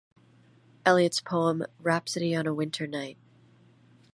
Eliot's poem "Rhapsody on a Windy Night".